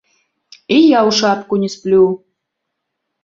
І я ў шапку не сплю!